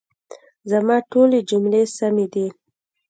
زما ټولي جملې سمي دي؟